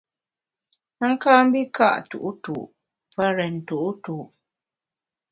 A ka mbi ka’ tu’tu’ pe rèn tu’tu’.